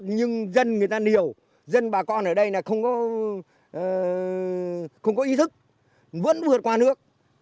nhưng dân người ta niều dân bà con ở đây là không có ý thức vẫn vượt qua nước